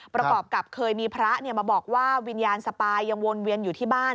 ประกอบกับเคยมีพระมาบอกว่าวิญญาณสปายยังวนเวียนอยู่ที่บ้าน